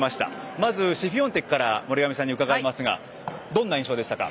まずシフィオンテクから森上さんに伺いますがどんな印象でしたか？